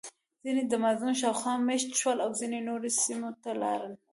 ځینې د امازون شاوخوا مېشت شول او ځینې نورو سیمو ته لاړل.